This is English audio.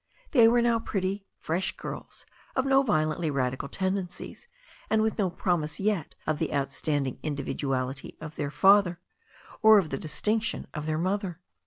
They were now pretty, fresh girls, of no violently radical tendencies, and with no promise yet of the outstanding in dividuality of their father, or of the distinction of their mother.